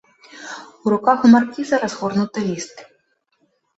У руках у маркіза разгорнуты ліст.